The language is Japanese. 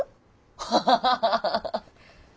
ハハハハハ。